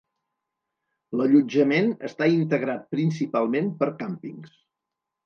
L'allotjament està integrat principalment per càmpings.